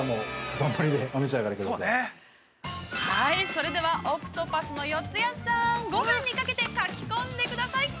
◆それではＯＣＴＰＡＴＨの四谷さんごはんにかけてかき込んでください！